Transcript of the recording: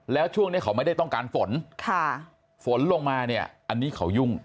แล้วช่วงนี้เขาไม่ได้ต้องการฝนค่ะฝนลงมาเนี่ยอันนี้เขายุ่ง